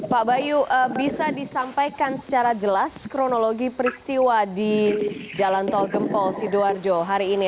pak bayu bisa disampaikan secara jelas kronologi peristiwa di jalan tol gempol sidoarjo hari ini